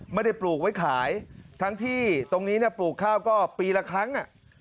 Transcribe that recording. ปลูกไว้ขายทั้งที่ตรงนี้ปลูกข้าวก็ปีละครั้ง